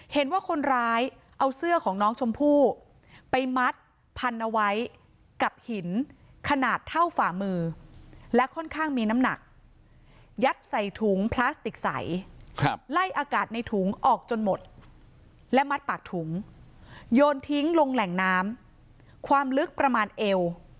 เห็นว่าคนร้ายเอาเสื้อของน้องชมพู่ไปมัดพันเอาไว้กับหินขนาดเท่าฝ่ามือและค่อนข้างมีน้ำหนักยัดใส่ถุงพลาสติกใสไล่อากาศในถุงออกจนหมดและมัดปากถุงโยนทิ้งลงแหล่งน้ำความลึกประมาณเอว